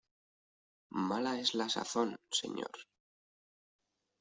mala es la sazón, señor.